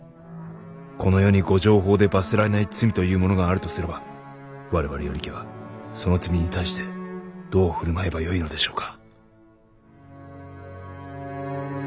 この世に御定法で罰せられない罪というものがあるとすれば我々与力はその罪に対してどう振る舞えばよいのでしょうか？